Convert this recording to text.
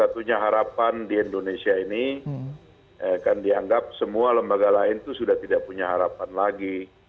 dan satu satunya harapan di indonesia ini akan dianggap semua lembaga lain itu sudah tidak punya harapan lagi